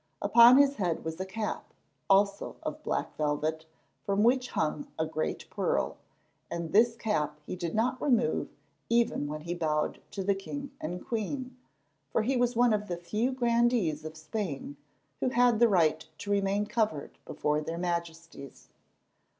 Upon his head was a cap, also of black velvet, from which hung a great pearl, and this cap he did not remove even when he bowed to the king and queen, for he was one of the few grandees of Spain who had the right to remain covered before their Majesties.